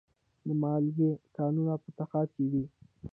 د مالګې کانونه په تخار کې دي